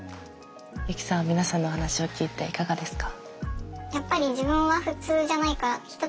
ユキさん皆さんの話を聞いていかがですか？